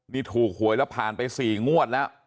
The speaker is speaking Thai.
นี่ถูกหวยแล้วผ่านไป๔งวดแล้ว